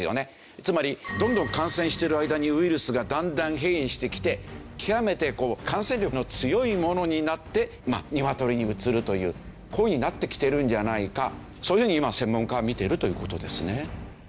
つまりどんどん感染している間にウイルスがだんだん変異してきて極めて感染力の強いものになって鶏にうつるというこういうふうになってきてるんじゃないかそういうふうに今専門家は見てるという事ですね。